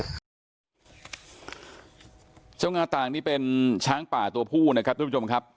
เจ้างาต่างนี่เป็นช้างป่าตัวผู้นะครับทุกผู้ชมครับ